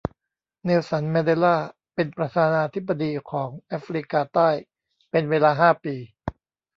เนลสันแมนเดลาเป็นประธานาธิปดีของแอฟริกาใต้เป็นเวลาห้าปี